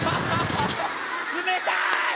冷たい！